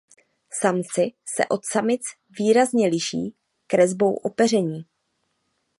Samci se od samic výrazně liší kresbou opeření.